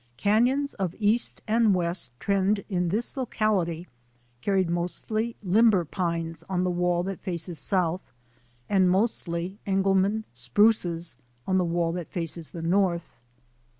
Canons of east and west trend in this locality carried mostly limber pines on the wall that fares south and mostly Engelmann spruces on the wall that faces the north.